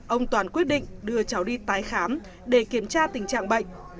ông toàn quyết định đưa cháu đi tái khám để kiểm tra tình trạng bệnh